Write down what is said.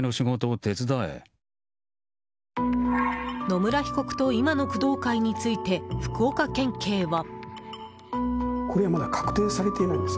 野村被告と今の工藤会について福岡県警は。